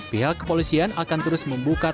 pihak kepolisian akan terus membuka